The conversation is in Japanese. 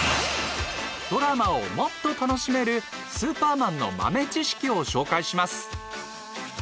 ドラマをもっと楽しめる「スーパーマン」の豆知識を紹介します。